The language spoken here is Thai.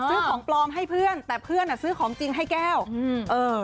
ซื้อของปลอมให้เพื่อนแต่เพื่อนอ่ะซื้อของจริงให้แก้วอืมเออ